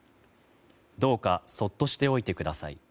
どうかそっとしておいてください。